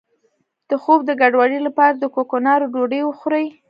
د خوب د ګډوډۍ لپاره د کوکنارو ډوډۍ وخورئ